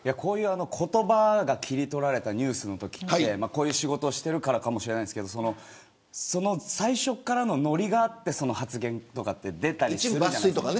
言葉が切り取られたニュースのときってこういう仕事をしてるからかもしれませんが最初からのノリがあって発言が出たりするじゃないですか。